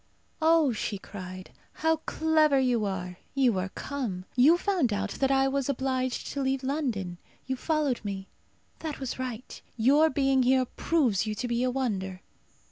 "Oh!" she cried. "How clever you are! You are come. You found out that I was obliged to leave London. You followed me. That was right. Your being here proves you to be a wonder."